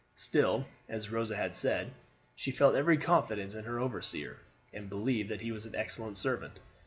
Still, as Rosa had said, she felt every confidence in her overseer, and believed that he was an excellent servant.